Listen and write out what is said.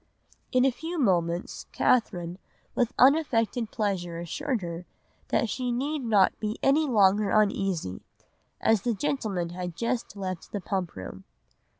"In a few moments Catherine with unaffected pleasure assured her that she need not be any longer uneasy, as the gentlemen had just left the Pump room.